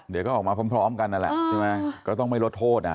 เดี๋ยวก็ออกมาพร้อมกันนั่นแหละใช่ไหมก็ต้องไม่ลดโทษอ่ะ